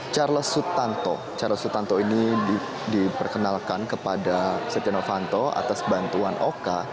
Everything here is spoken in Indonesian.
charles sutanto charles sutanto ini diperkenalkan kepada setia novanto atas bantuan oka